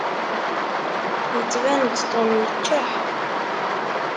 Yettban-d Tom yeččeḥ.